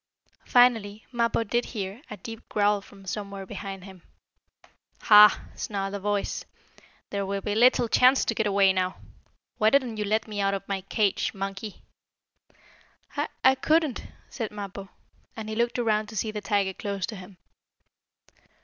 Finally Mappo did hear a deep growl from somewhere behind him. "Ha!" snarled a voice. "There will be little chance to get away now! Why didn't you let me out of my cage, monkey?" "I I couldn't," said Mappo, and he looked around to see the tiger close to him.